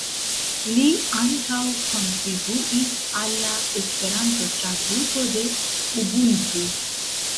Li ankaŭ kontribuis al la Esperanto-traduko de Ubuntu.